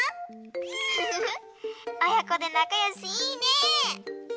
フフフおやこでなかよしいいね！